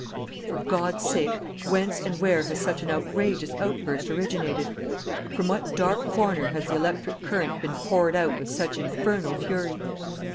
For God's sake, whence and where has such an outrageous outburst originated? From what dark corner has the electric current been poured out with such infernal fury?